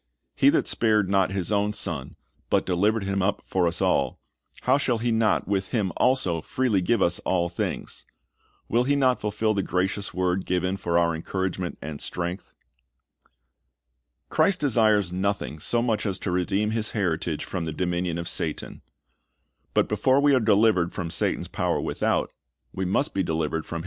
"He that spared not His own Son, but delivered Him up for us all, how shall He not with Him also freely give us all things?"^ Will He not fulfil the gracious word given for our encouragement and strength? Christ desires nothing so much as to redeem His heritage from the dominion of Satan. l^ut before we are delivered from Satan's power without, we must be delivered from his ilsa. 26:3 '■! Malt. 21:22 3 Rom jj.